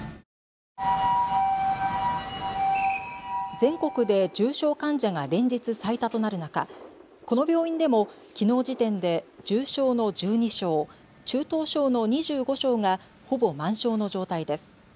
全国で重症患者が連日最多となる中、この病院でもきのう時点で重症の１２床、中等症の２５床が、ほぼ満床の状態です。